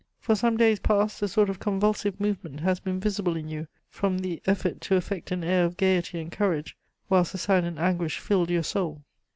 For some days past, a sort of convulsive movement has been visible in you, from the effort to affect an air of gaiety and courage, whilst a silent anguish filled your soul.'